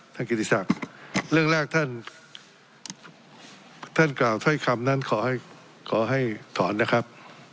ท่านกิจสัครเรื่องแรกท่านท่านกล่าวเพื่อยคำนั้นขอให้ขอให้ถอนนะครับ